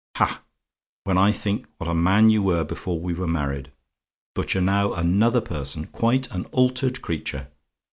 "Ha! when I think what a man you were before we were married! But you're now another person quite an altered creature.